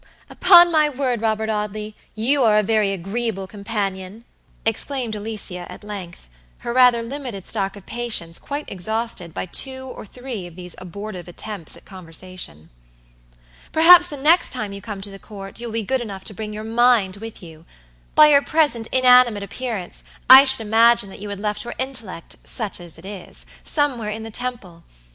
"Upon my word, Robert Audley, you are a very agreeable companion," exclaimed Alicia at length, her rather limited stock of patience quite exhausted by two or three of these abortive attempts at conversation. "Perhaps the next time you come to the Court you will be good enough to bring your mind with you. By your present inanimate appearance, I should imagine that you had left your intellect, such as it is, somewhere in the Temple.